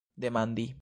demandi